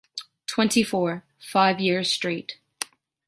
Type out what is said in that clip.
Twenty-four, Five Years street